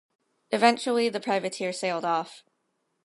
Eventually the privateer sailed off.